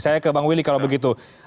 saya ke bang willy kalau begitu